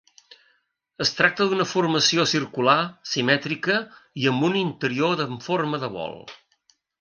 Es tracta d'una formació circular, simètrica i amb un interior en forma de bol.